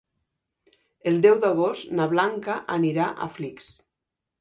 El deu d'agost na Blanca anirà a Flix.